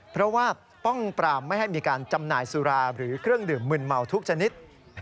เพราะว่าป้องปรามไม่ให้มีการจำหน่ายสุราหรือเครื่องดื่มมึนเมาทุกชนิด